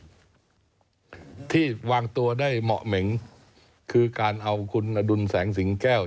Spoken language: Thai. ผู้ประชาชนที่ว่างตัวได้เหมาะเม้งคือการเอาคุณอดุลแสงสิงแก้ว